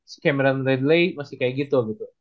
si cameron redley masih kayak gitu